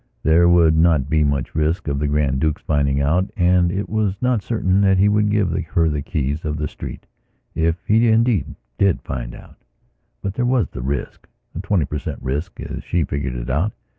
There would not be much risk of the Grand Duke's finding it out and it was not certain that he would give her the keys of the street if he did find out. But there was the riska twenty per cent risk, as she figured it out.